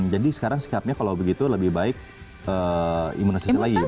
jadi sekarang sikapnya kalau begitu lebih baik imunisasi lagi